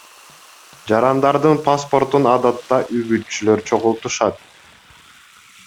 Жарандардын паспортун адатта үгүтчүлөр чогултушат.